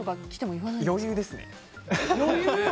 余裕ですね。